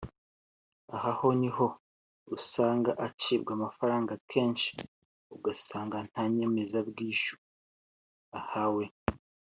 aha ho ni ho usanga acibwa amafaranga akenshi ugasanga nta nyemezabwishyu ahawe